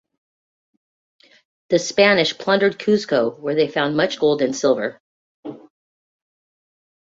The Spanish plundered Cuzco, where they found much gold and silver.